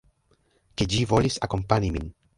Ke ĝi volis akompani min.